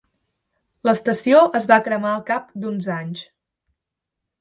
L'estació es va cremar al cap d'uns anys.